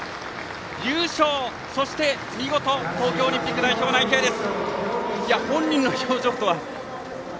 優勝そして見事東京オリンピック代表内定です。